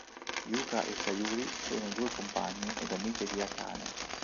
Yuka e Sayuri sono due compagne ed amiche di Akane.